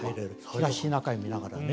東シナ海見ながらね。